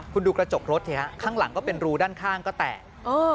คุณดูกระจกรถสิฮะข้างหลังก็เป็นรูด้านข้างก็แตก